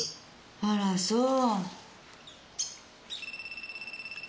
あらそう。